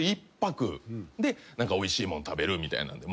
１泊でおいしいもん食べるみたいな。